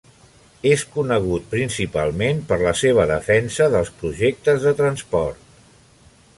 És conegut principalment per la seva defensa dels projectes de transport.